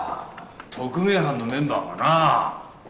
特命班のメンバーがな。